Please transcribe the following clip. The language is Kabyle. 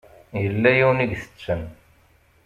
Yella yiwen i itetten.